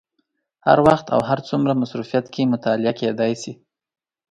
هر وخت او هر څومره مصروفیت کې مطالعه کېدای شي.